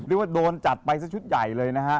เรียกว่าโดนจัดไปสักชุดใหญ่เลยนะฮะ